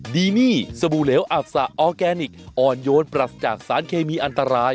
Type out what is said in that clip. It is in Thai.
ดีนี่สบู่เหลวอับสะออร์แกนิคอ่อนโยนปรัสจากสารเคมีอันตราย